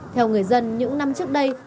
theo người dân những năm trước đây